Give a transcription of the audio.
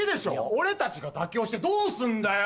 俺たちが妥協してどうすんだよ！